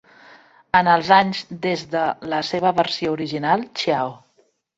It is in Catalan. En els anys des de la seva versió original, Ciao!